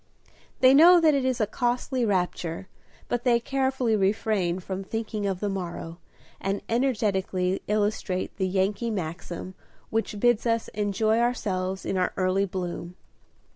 They know that it is a costly rapture, but they carefully refrain from thinking of the morrow, and energetically illustrate the Yankee maxim which bids us enjoy ourselves in our early bloom.